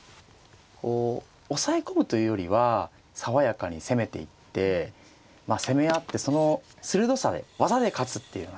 こう押さえ込むというよりは爽やかに攻めていって攻め合ってその鋭さで技で勝つっていうのがね。